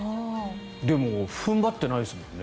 でも踏ん張っていないですよね。